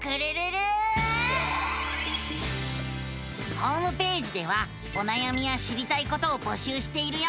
ホームページではおなやみや知りたいことを募集しているよ。